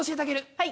はい。